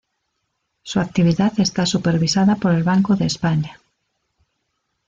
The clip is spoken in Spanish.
Su actividad está supervisada por el Banco de España.